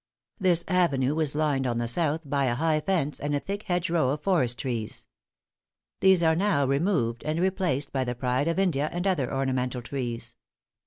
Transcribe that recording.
This avenue was lined on the south side by a high fence, and a thick hedge row of forest trees. These are now removed, and replaced by the Pride of India and other ornamental trees.